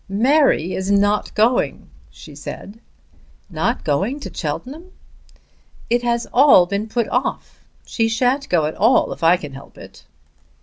"Mary is not going," she said. "Not going to Cheltenham!" "It has all been put off. She shan't go at all if I can help it."